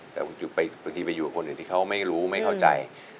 แต่บางทีไปอยู่กับคนอื่นที่เขาไม่รู้ไม่เข้าใจ